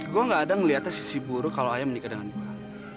gue gak ada ngeliatnya sisi buruk kalau ayah menikah dengan guru